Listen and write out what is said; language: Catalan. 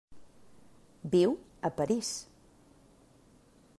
Viu a París.